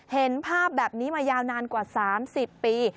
เห็นภาพแบบนี้มายาวนานกว่า๓๐ปี